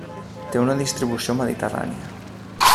Té una distribució mediterrània.